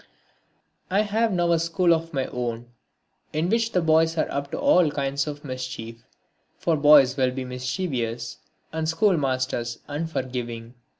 I have now a school of my own in which the boys are up to all kinds of mischief, for boys will be mischievous and schoolmasters unforgiving.